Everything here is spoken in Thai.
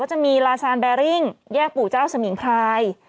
จะมีลาซานแบริ่งแยกปู่เจ้าสมิงพราย